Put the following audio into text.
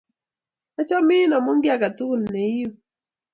Achamin amu kiy ake tukul ne iu.